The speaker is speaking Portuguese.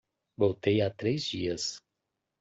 Voltei há três dias.